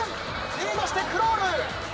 リードしてクロール！